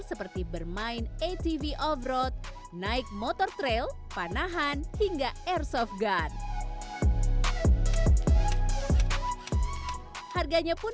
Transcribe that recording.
seperti bermain atv off road naik motor trail panahan hingga airsoft gun harganya pun